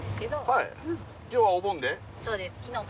はい